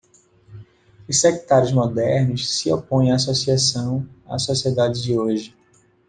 Os sectários modernos se opõem à associação à sociedade de hoje.